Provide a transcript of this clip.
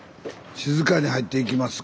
静かに入っていきます。